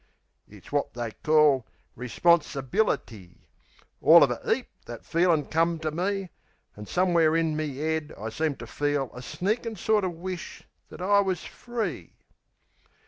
It's wot they calls responsibility. All of a 'eap that feelin' come to me; An' somew'ere in me 'ead I seemed to feel A sneakin' sort o' wish that I was free.